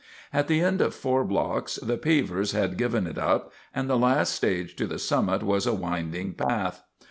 At the end of four blocks, the pavers had given it up and the last stage to the summit was a winding path.